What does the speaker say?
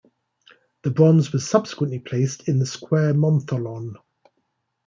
The bronze was subsequently placed in the Square Montholon.